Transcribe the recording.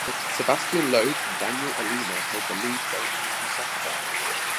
Sebastien Loeb and Daniel Elena held the lead going onto Saturday.